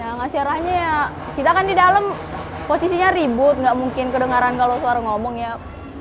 ya ngasih arahnya ya kita kan di dalam posisinya ribut gak mungkin kedengaran kalau suara ngomong ya pakai kode tangan aja